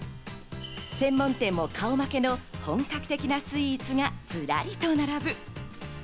専門店も顔負けの本格的なスイーツがずらりと並ぶ。